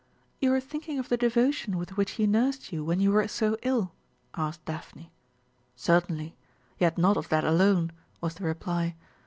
"You are thinking of the devotion with which he nursed you when you were so ill?" asked Daphne. "Certainly; yet not of that alone," was the reply.